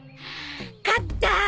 勝ったぁ！